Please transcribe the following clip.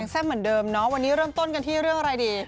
แซ่บเหมือนเดิมเนาะวันนี้เริ่มต้นกันที่เรื่องอะไรดี